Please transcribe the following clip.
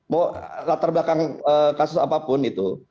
mau latar belakang kasus apapun itu